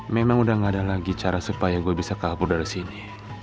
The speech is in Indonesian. memang udah gak ada lagi cara supaya gue bisa kabur dari sini